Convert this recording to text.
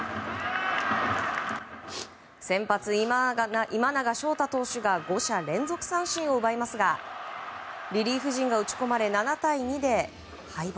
先発・今永昇太投手が５者連続三振を奪いますがリリーフ陣が打ち込まれ７対２で敗北。